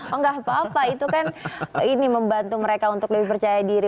oh enggak apa apa itu kan ini membantu mereka untuk lebih percaya diri